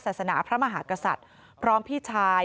ศาสนาพระมหากษัตริย์พร้อมพี่ชาย